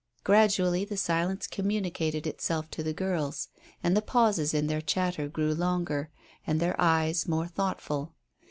Gradually the silence communicated itself to the girls, and the pauses in their chatter grew longer and their eyes more thoughtful.